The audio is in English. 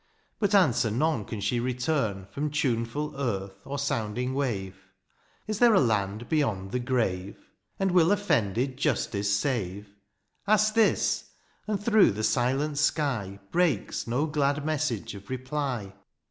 '^ But answer none can she return ^^ From tuneful earth, or sounding wave; " Is there a land beyond the grave ? "And will offended justice save ?" Ask this ! and through the silent sky, " Breaks no glad message of reply.